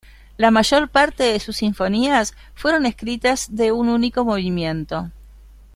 La mayor parte de sus sinfonías fueron escritas de un único movimiento.